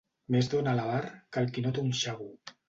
Més dóna l'avar que el qui no té un 'xavo'.